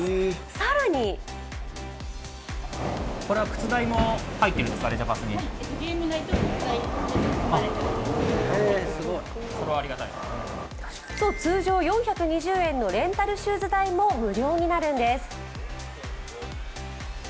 更に通常４２０円のレンタルシューズ代も無料になるんです。